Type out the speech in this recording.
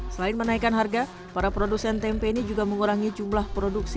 selain menaikkan harga para produsen tempe ini juga mengurangi jumlah produksi